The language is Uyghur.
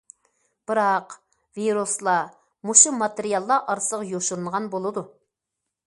بىراق ۋىرۇسلار مۇشۇ ماتېرىياللار ئارىسىغا يوشۇرۇنغان بولىدۇ.